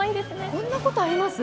こんなことあります？